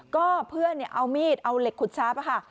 ก็เพื่อนเนี่ยเอามีดเอาเหล็กขุดช้าป่ะค่ะ